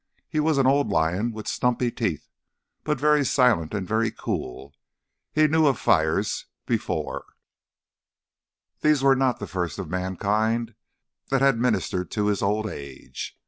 He was an old lion with stumpy teeth, but very silent and very cool; he knew of fires before; these were not the first of mankind that had ministered to his old age.